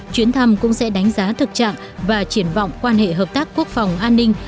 chuyến thăm cũng sẽ đánh giá thực trạng và triển vọng quan hệ hợp tác quốc phòng an ninh